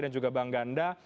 dan juga bang ganda